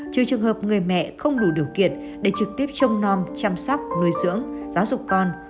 trừ trường hợp người mẹ không đủ điều kiện để trực tiếp trông non chăm sóc nuôi dưỡng giáo dục con